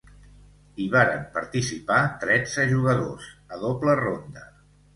Hi varen participar tretze jugadors, a doble ronda.